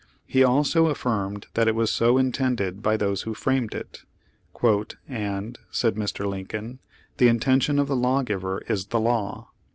He also affirmed that it was so in tended by those who framed it. "And," said Mr. Lincoln, "the intention of the law giver is the law."